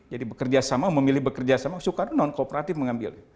jadi bekerja sama memilih bekerja sama soekarno non kooperatif mengambil